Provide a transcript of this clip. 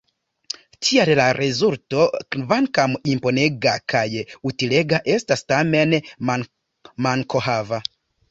Tial la rezulto, kvankam imponega kaj utilega, estas tamen mankohava.